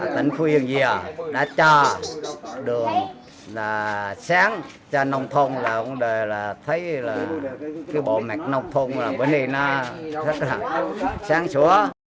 tỉnh phú yên dìa đã cho đường sáng cho nông thôn thấy bộ mạch nông thôn bởi vì nó rất là sáng sủa